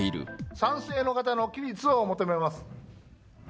賛成の方の起立を求めます。